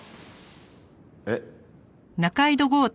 えっ。